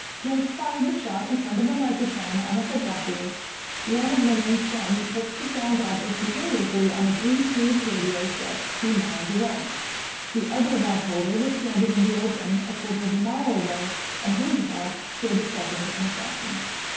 Jenks fired the shot in front of a microphone on a football field. One of Linane's friends picked the sound up instantaneously on a three tube radio set two miles away. The other watch holder was standing in the open a quarter of a mile away and his watch showed a second and a fraction.